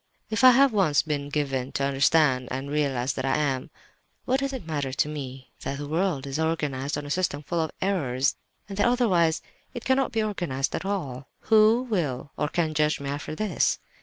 If I have once been given to understand and realize that I am—what does it matter to me that the world is organized on a system full of errors and that otherwise it cannot be organized at all? Who will or can judge me after this?